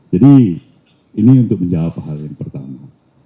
jadi ini untuk menjawab hal yang pertama